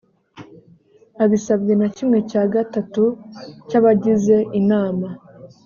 abisabwe na kimwe cya gatatu cy abagize inama